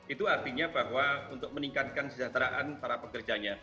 itu artinya bahwa untuk meningkatkan kesejahteraan para pekerjanya